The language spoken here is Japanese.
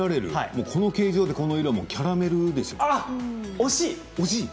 この形状でこの色はキャラメルですよね？